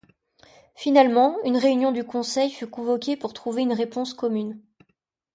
Finalement, une réunion du Conseil fut convoquée pour trouver une réponse commune.